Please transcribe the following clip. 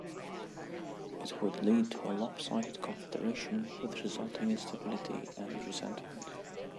It would lead to a lop-sided confederation with resulting instability and resentment.